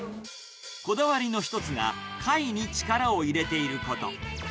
こだわりの一つが、貝に力を入れていること。